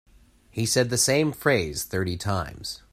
He said the same phrase thirty times.